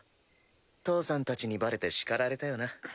義父さんたちにバレて叱られたよな。